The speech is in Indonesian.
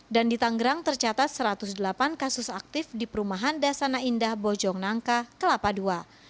dan di tanggerang tercatat satu ratus delapan kasus aktif di perumahan dasana indah bojongnangka kelapa ii